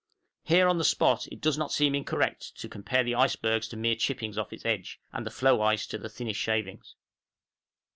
Here, on the spot, it does not seem incorrect to compare the icebergs to mere chippings off its edge, and the floe ice to the thinnest shavings.